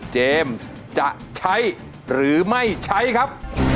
จะใช้หรือไม่ใช้ครับ